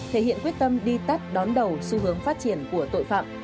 thể hiện quyết tâm đi tắt đón đầu xu hướng phát triển của tội phạm